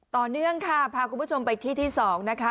ต่อเนื่องค่ะพาคุณผู้ชมไปที่ที่๒นะคะ